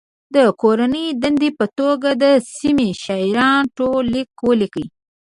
د کورنۍ دندې په توګه د سیمې د شاعر ژوند لیک ولیکئ.